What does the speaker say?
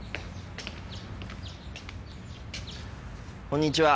こんにちは。